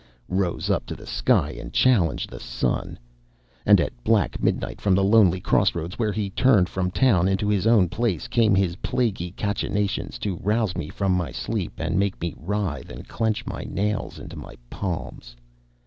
rose up to the sky and challenged the sun. And at black midnight, from the lonely cross roads where he turned from town into his own place, came his plaguey cachinnations to rouse me from my sleep and make me writhe and clench my nails into my palms.